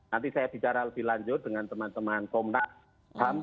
nanti saya bicara lebih lanjut dengan teman teman komnas ham